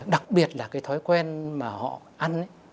đặc biệt là cái thói quen mà họ ăn ấy